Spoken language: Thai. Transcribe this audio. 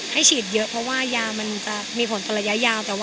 ให้ฉีดเยอะเพราะว่ายามันจะมีผลต่อระยะยาว